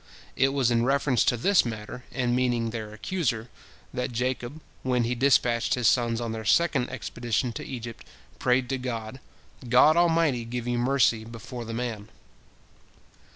It was in reference to this matter, and meaning their accuser, that Jacob, when he dispatched his sons on their second expedition to Egypt, prayed to God, "God Almighty give you mercy before the man."